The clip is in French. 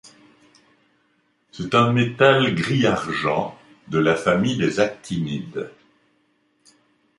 C'est un métal gris-argent de la famille des actinides.